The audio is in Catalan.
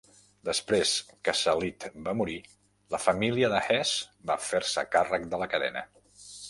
Després que Salit va morir, la família de Hess va fer-se càrrec de la cadena.